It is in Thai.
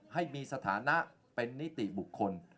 ให้มีสถานะเป็นนิติบุคคล